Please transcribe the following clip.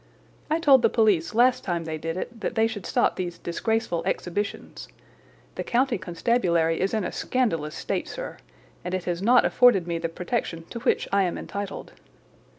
I told the police last time they did it that they should stop these disgraceful exhibitions. The County Constabulary is in a scandalous state, sir, and it has not afforded me the protection to which I am entitled.